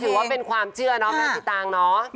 ถือว่าเป็นความเชื่อเนาะแม่สิตางเนาะ